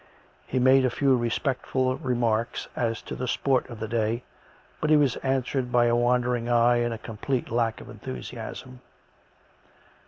He made a few respectful remarks as to the sport of the day, but he was answered by a wander ing eye and a complete lack of enthusiasm.